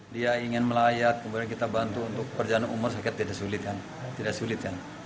dia ingin melayak kemudian kita bantu untuk perjalanan umur sakit tidak sulit kan